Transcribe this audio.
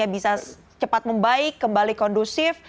sama sama berharap kondisinya bisa cepat membaik kembali kondusif